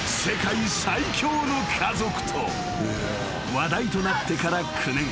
［話題となってから９年］